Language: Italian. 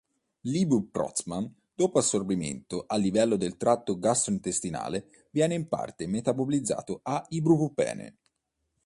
L'ibuproxam, dopo assorbimento a livello del tratto gastrointestinale, viene in parte metabolizzato a ibuprofene.